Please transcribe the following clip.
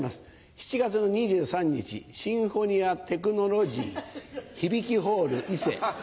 ７月の２３日シンフォニアテクノロジー響ホール伊勢。